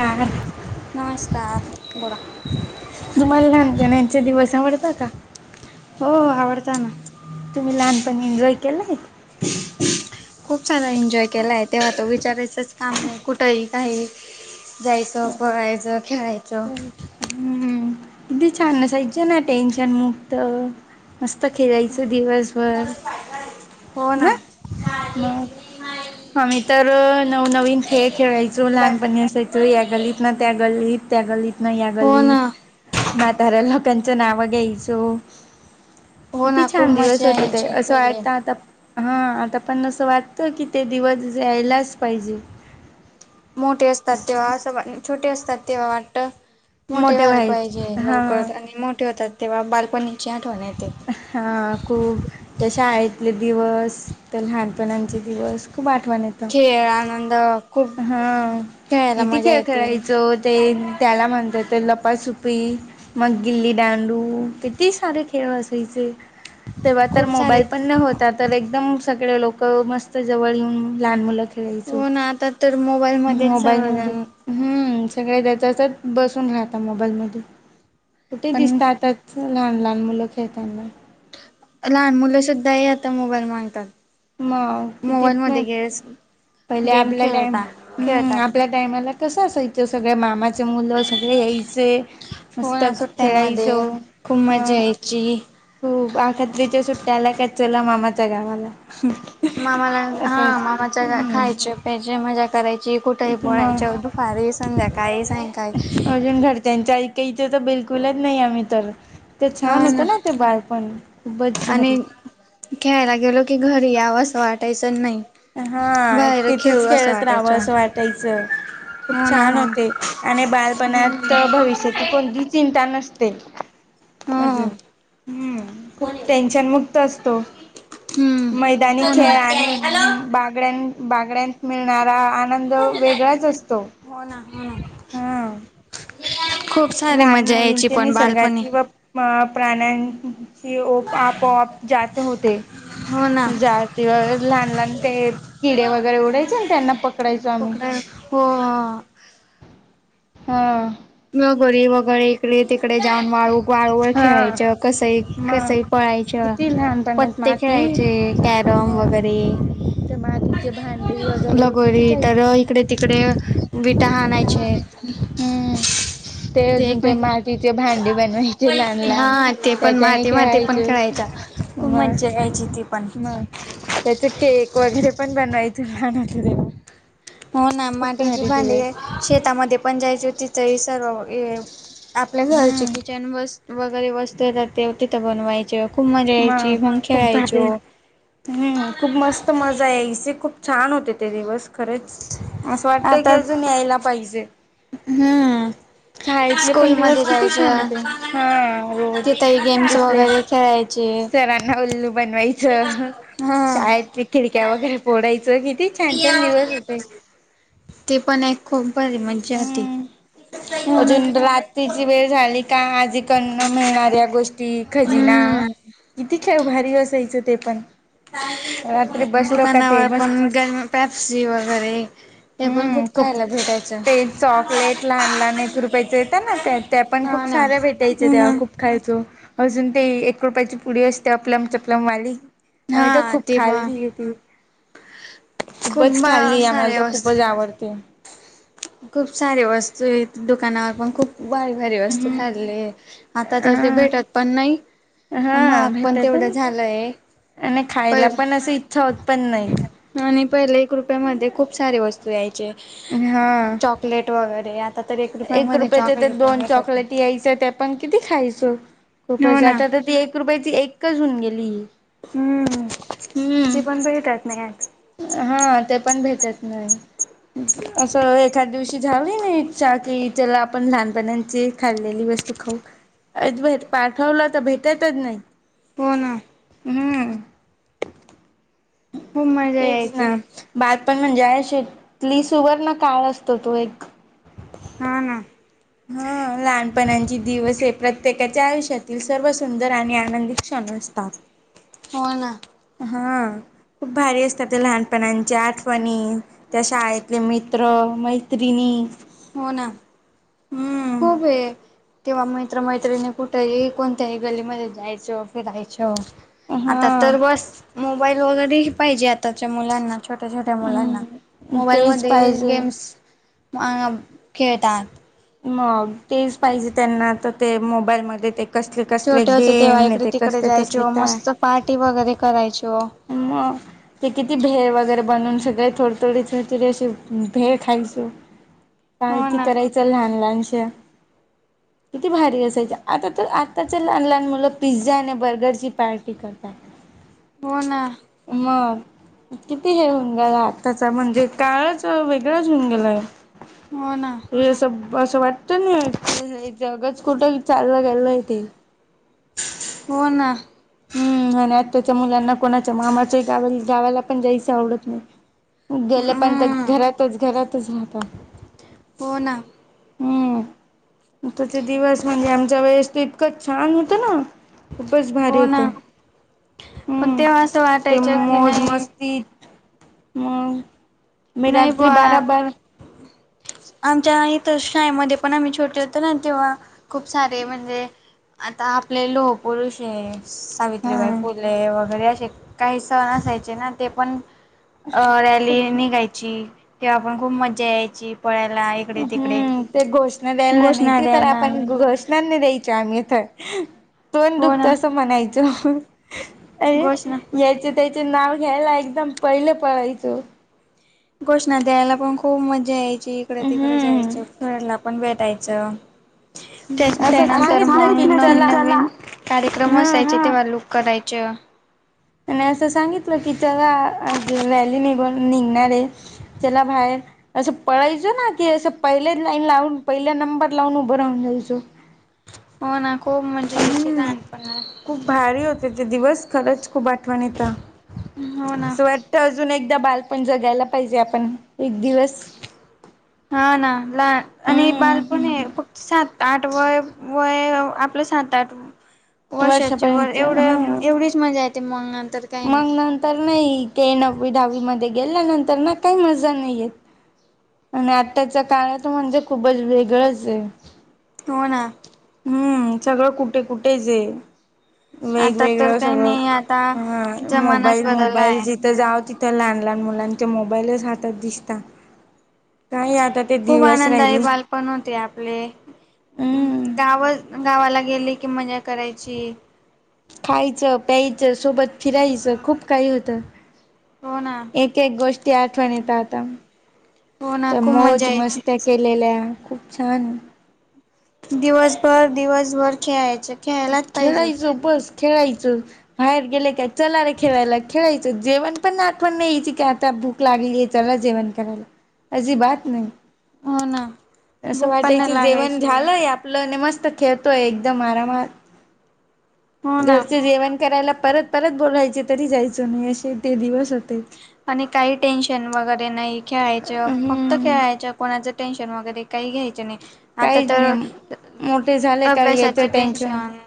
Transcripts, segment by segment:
हा. नमस्कार बोला जमलाान जच्या दिी बैसाां आवडता. का हो हो आवडता ना. तुम्ही लहानपणी एन्जॉय केलंय खूप सारा एन्जॉय केलाय तेव्हा तो विचारायचच काम नाही कुठही काय जायचं पळायचं खेळायचं हम् किती छान असायचे ना टेन्शनमुक्त मस्त खेळायचं दिवसभर होन ना मग आम्ही तर नवनवीन खेळ खेळायचो लहानपणी असायचो या गलीत ना त्या गलीत त्यागली नया हो ना गलीत म्हाताऱ्या लोकांचं नाव घ्यायचो हो किती ना खूप छान दिवस मजा होते ते यायची असं पहिले वाटत आता हा आता आपण असं वाटत की ते दिवस यायलाच पाहिजे मोठे असतात असं तेवा स वाछोटे असतात तेवा वाट मोठे वाल पाहिजे व्हायचे हा लवकर आणि मोठे होतात तेव्हा बालपणची आठवण्याचे हा खूप ज शाळेतले दिवस तर लहानपणाचे दिवस खूप आट [inaudible] खेळ आनंद खूप हा खेळायला किती मजा खेळ येते खेळायचो ते त्याला म्हणतात तर लपाासुपी मग गिल्ली डांडू किती सारे खेळ असायचे [inaudible] तेव्हा तर खूप सारे मोबाईल पण न होता तर एकदम सगळे लोक मस्त जवळ येऊन लहान मुलं खेळायचो हो ना आता तर [inaudible] मोबाईलमध्येच मोबाईल मध्ये सर्वजण हम्म सगळे जस बसून राहता मोबाईलमध्ये [inaudible] कुठे पण दिसत आता असं लहान लहान मुलं खेताना [inaudible] [inaudible] लहान मुलं सुुद्धा आहे आता मोबाईल मागतात म किती [inaudible] मोबाईलमध्ये गेस पहिले गेम आपल्या टाइम खेळता हम्म खेळतात. आपल्या टायमाला [inaudible] तसं असायचं सगळ्या मामाचे मुलं सगळे यायचे [inaudible] [inaudible] हो ना मस्तक खेळायचो सुट्ट्यांमध्ये खूप हा मजा यायची. खूप आखत्रीच्या सुट्ट्याला काच चला मामाच्या गावाला [inaudible] [inaudible] मामाला हा असंच मामाच्या खायचे हम्म पाहिजे मजा करायची कुठेही मग पोळायच दुपारी संध्या काय सय काय [inaudible] इथे तर बिलकुलच नाही आम्ही तर [inaudible] ते छान होतं ना ते बाळपण खूपच भारी आणि [inaudible] खेळायला गेलो की घरी यावं वाटायचं नाही [inaudible] हा बाहेर तिथंच खेळू असं खेळत राहावं वाटायचं असं वाटायचं [inaudible] हो खूप ना छान हो होते आणि बालपणात भविष्याची कोणती चिंता नसते हो अजून हम्म खूप टेन्शनमुक्त असतो [inaudible] [inaudible] हम्म मैदानी हो ना खेळ आणि हॅलो [inaudible] बागड्यां बागड्यात मिळणारा आनंद वेगळाच असतो हो ना हो ना हा [inaudible] खूप [inaudible] सारी लहान मजा यायची मुलींची पण बालपणी निसर्गातील व प्राण्यां तेि ओप आपोआप जात होते [inaudible] हो ना [inaudible] जती वर लहान लहान ते किडे वगैरे उडायचे आणि त्यांना पकडायचो आम्ही पकडाय हो हा [inaudible] [inaudible] हा [inaudible] मगगरी वगैर इकडे तिकडे जाऊन वाळू वाळूवरळ हा खेळायचं कसही मग कसही पळायच किती [inaudible] [inaudible] लहानपणात पत्ते माती खेळायचे कॅरम वगैरे [inaudible] तचे [inaudible] लगोरी तर इकडे तिकडे विटा हाायचे हम [inaudible] ते अजून ते मातीचे भांडे बनवायचे लहान हा लहान ते पण त्याच्याने माती माती खेळायच पण खेळायच्या [inaudible] खूप म मज्जा यायची ती पण म त्याच केक वगैरे पण बनवायच लहानक [inaudible] [inaudible] हो ना माटीची भांडी शेतामध्ये पण जायची तिथही सर्व हे आपल्या घरचे हम्म किचन वस् वगैरे वस्तू येतात ते तिथं बनवायची [inaudible] म खूप भ हम्म खूप मस्त मजा आहे इची खूप [inaudible] छान होते ते दिवस खरंच असं वाटतं की आता अजून यायला पाहिजे [inaudible] हम्म [inaudible] शाळेतले स्कूल पण दिवस मध्ये किती छान जायचं होते हा रोज तिथही गेम्स तिथले वगैरे खेळायच सरांना उल्लू बनवायचं हा शाळेत खिडक्या वगैरे [inaudible] फोडायचं किती छान छान दिवस होते [inaudible] ते पण एक खूप भारी [inaudible] मज्जा होती हम्म हो ना अजून रात्रीची वेळ झाली का आज क मिळणाऱ्या गोष्टी खजिना हम्म किती खेळ री असायचं ते पण रात्री बसलो का ते दुकानावर मस्त पण गर पॅप्सी वगैरे ते पण खूप खायला भेटायचे ते चॉकलेट लहान लहान एक रुपयायचेेत ना त्या पण खूप हा ना साऱ्या भेटायचे हो तेव ना खूप खा अजून ते एक रुपयाची पुडी असते आपपल्याम चपलम वाली आम्ही तर हा खूप ते पण खाल्ली ती खूप खूपच खाल्ली आम्हाला सारे तर खूपच वस्तू आवडते खूप सारे वस्तू आहेत दुकानावर पण खूप भारीक भारीक वस्तू खाल्ली आता तर ते अ भेटत पण नाही हा महाग पण भेटत तेवढं झालंय आणि खायला पहि पण असशी इच्छा उत्पन्न नाही आणि पहिले एक रुपयामध्ये खूप सारे वस्तू यायचे हा चॉकलेट वगैरे तर एक रुपयामध्ये रुपयाच तर चॉकलेट पण दोन भेटत चॉकलेट यायच ते पण किती खायच स हो खूपच ना आता तर ती एक रुपयाची एकच होऊन गेली हम्म तेी पण सगतात नाहीच हां ते पण भेटत नाही असं एखाद दिवशी झाव नाही की चला आपण लहानपणांची खाल्लेली वस्तू खाऊ अज भेट पाठवलं तर भेटतच नाही पोन हम्म खूप मजा तेच यायची ना ब पण म्हणजे शेतली सुवर्ण काळ असतो तो एक हा ह हा लहानपणाची दिवस प्रत्येकाच्या आयुष्यातील सर्व सुंदर आणि आनंदित क्षण असतात हो ना हा खूप भारी असतात ते लहानपणाच्या आठवणी त्या शाळेतले मित चत्र मैत्रिणी हो ना खूप हम्म हे तेिव्हा मैत्र मैत्रिणी कुठेही कोणत्याही गलीमध्ये जायचं फिरायचं आता हा तर बस मोबाईल वगैरे ह पाहिजे आताच्या मुलांना छोट्या छोट्या मुलांना हम्म तेच मोबाईलमध्ये पाहिजे गेम्स ह खेळतात मग तेच पाहिजे त्यांना तर ते मोबाईलमध्ये ते कसले कसले छोटे होते तेव्हा गेम इकडे ते तिकडे कसले कसले जायचो काय मस्त पार्टी वगैरे करायचो. मग ते किती भे वगैरे बनव सगळे थोड थोडीच तरी भे खायच काण हो त ना करायचं लहान लालांश किती भारी असायची आता तर आत्ताच लहान लहान मुलं पिझ्झा आणि बर्गरची पार्टी करतात बोन मग किती हे होऊन गेला आत्ताचा म्हणजे काळच वेगळाच होऊन गेलाय हो ना हे सब अससं वाटतं ना जगच कुठं चाललं गेलं आहे ते हो ना हम्म आणि आत्ताच्या मुलांना कोणाच्या मामाच्या गावा गावाला पण जायच आवडत नाही गेलं पण तर हम्म. घरातच घरातच राहता होन हम्म त्याचे दिवस म्हणजे आमच्या वेळेस त इतकंच छान होतं ना खूपच भारी हो पण हम्म तेव्हा असं ते वाटायचं की मोज नाही मस्ती. मग मी नाही रात्री बुवा बाराबार आमच्या इथ शाळेमध्ये पण आम्ही छोटे होतो ना तेव्हा खूप सारे म्हणजे- आता आपले लोहपुरुष आहे हा सावित्रीबाई फुले वगैरे काही सण असायचे ना ते पण अ रॅली निघायचे. ची तेव्हा पण खूप मज्जा यायची. पळायला इकडे तिकडे हम्म ते घोषणा द्यायला घोषणा नाहीती तर द्यायला आपण घोषणा नाही द्यायचो आम्ही तर तोन हो दुखत ना अस म्हणायचं अ घोषणा याचे- त्याचे नाव घ्यायला एकदम पहिलं पळायचं. घोषणा द्यायला पण खूप मजा यायची इकडे तिकडं हम्म जायचं खेळयला [inaudible] पण भेटायचं. असं त्याच्यानंतर सांगितलं मग की चला नवीन-नवीन कार्यक्रम हा असायचे तेव्हा लूक करायच आणि असं सांगितलं, की चाल आज रॅली निघून निघणारे चला बाहेर असं पळायच ना की, असं पहिले लाईन लावून पहिला नंबर लावून उभं राहून जायचो. ह हो ना. खूप म्हणजे याची हम्म लहानपण खूप भारी होते ते दिवस- खरंच खूप आठवण येत हो ना स्वटत अजून एक [inaudible] दा बालपण जगायला पाहिजे आपण एक दिवस हा ना लहान आणि बाल पण आहे हम्म फक्त सात- आठ वय वय आपलं सात आठ वर्षाच्या वर वर्षापर्यंत एवढ हा एवढीच मजा येते मंग मग नंतर नाही ते न- डावी म गेल्यानंतर ना काही मजा नाहीयेत. आणि आताच्या काळात म्हणजे खूपच वेगळंच ये. होना. हम्म सगळं कुठे कुठेच जे आता तर वेगवेगळं काही सगळं नाही आता हा जमानाच मोबाईल बदलला मोबाईल आहे जिथं जाव तिथं लहान लहान मुलां ते मोबाईलच, जात दिसता [unintelligible] आता ते खूप दिवस आनंदयी राहिले. बालपण होते आपले. हम्म गाव गावाला गेले की मजा करायची खायचं प्यायचं सोबत फिरायचं खूप काही होतं. हो ना एक एक गोष्टी आठवण येत आता- हो ना तर खूप मजा मोज यायची मस्त्या केलेल्या खूप छान- दिवसभर, दिवसभर खेळायच खेळायलाच पाहिजे. खेळायचं बस खेळायचं बाहेर गेले काय, चला रे खेळायला खेळायचं जेवण पण ना आठवण नाही यायची की आता भूक लागलीये चला जेवण करायला आजिबात नाही. हो ना असं भूक पण वाटायच नाही जेवण लागायची झालंय आपलं आणि मस्त- तर खेळोय एकदम आरा म- हो ना घरचे जेवण करायला परत परत बोलायचे तरी, जायचं नाही अशे ते दिवस होते आणि काही टेन्शन वगैरे नाही खेळायचं फक्त हम्म खेळायच कोणाच- टेंशन [unintelligible] काही घ्यायच नाही आता काहीच नाही तर मोठे झाले का याचं अभ्यासाचे टेन्शन-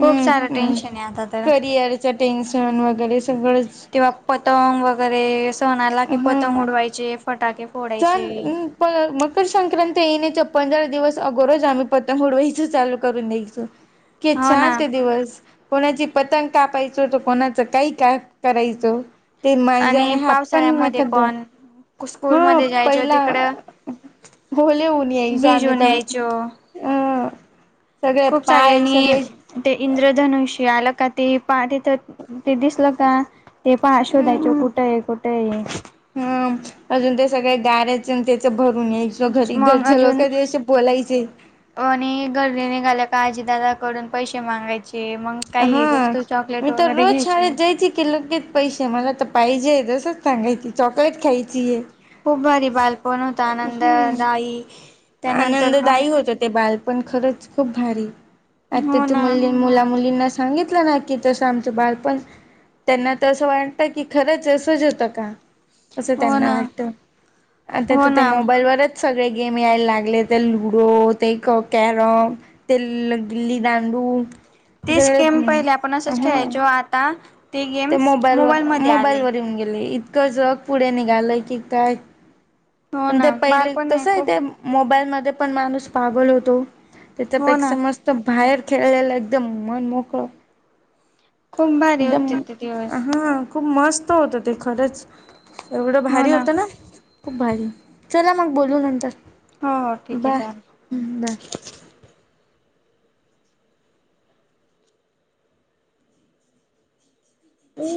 खूप सारं हम्म टेन्शनये आता तर करिअरचं टेन्शन वगैरे सगळंच तेव्हा पतंग वगैरे सण आला कि पतंग उडवायचे फटाके चन फोडायचे अ प मकर संक्रांत येण्याच्या पण [unintelligible] दिवस अगोरज आम्ही पतंग उडवायच चालू करून द्यायचो की हो छान ना ते दिवस कोणाची पतंग कापायचो तर कोणाचं काही काय करायचो. ते आणि मज्याने हात पण पावसाळ्यामध्ये द पण हो स्कूलमध्ये जायचो तिकडं पहिला- हो लय ऊन यायच आम्ही भिजून तर यायचो अ सगळे खूप सारे पाय आणि सगळे ते इंद्रधनुष आल का ते पहा त इथं ते दिसल का ते पहा शोधायच कुठं आहे कुठे आहे. हा अजून ते सगळे गाऱ्याच त्याच भरू नो घरी मग घरचे लोक अजून तुझ्याशी बोलायचे. काळजी दादा कडून पैसे मागायचे. मग काही हा वस्तू चॉकलेट मी तर वगैरे रोज घ्यायचे शाळेत जायची की लगेच पैसे मला तर पाहिजे. तच सांगायची चॉकलेट ख्यायची आहे. खूप भारी बालपण होत आनंददाई. आनंददायी होतो ते बाल पण खरंच खूप भारी. हो आताच्या ना मुली मुला मुलींना सांगितलं ना कि तसं आमचं बालपण त्यांना तर असं वाटतं की खरंच असंच होतं का? असं हो त्यांना ना वाटत आता हो तर त्या ना मोबाईलवरच सगळे गेम मिळायला लागले तर लुडो ते कॅरम ते गिल्ली दांडू. तेच सगळे गेम पहिले आपण असंच हा खेळायचो आता ते गेम्स मोबाईलवर मोबाईलमध्ये मोबाईल आले वर येऊन गेले इतकं जग पुढे निघालंय की काय हो प ते ना पहिले बालपण कस आहे खूप ते मोबाईल म म पण माणूस पागल होतो हो ना त्याच्यापेक्षा मस्त बाहेर खेळला एकदम मन मोकळ. खूप भारी होते ते. दिवस हा खूप मस्त होतं ते खरंच एवढं भारी होतं ना. खूप भारी चला मग बोलू नंतर. हो हो ठीक आहे चालेल. [unintelligible] हो